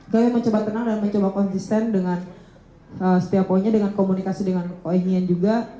kami mencoba tenang dan mencoba konsisten dengan setiap poinnya dengan komunikasi dengan poin yen juga